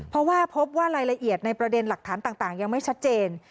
เพราะว่าพบว่ารายละเอียดในประเด็นหลักฐานต่างยังไม่ชัดเจน